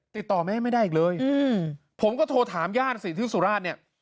ติดต่อแม่ไม่ได้อีกเลยผมก็โทรถามญาติสิที่สุราชเนี่ย